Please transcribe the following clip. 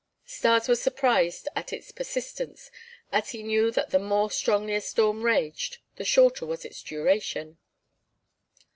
Stas was surprised at its persistence as he knew that the more strongly a storm raged the shorter was its duration.